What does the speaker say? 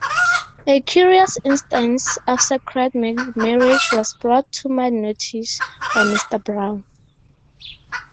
A curious instance of sacred marriage was brought to my notice by Mr. Brown.